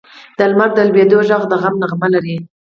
د لمر د لوېدو ږغ د غم نغمه لري.